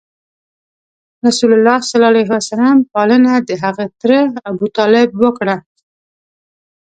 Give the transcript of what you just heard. رسول الله ﷺ پالنه دهغه تره ابو طالب وکړه.